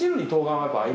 はい。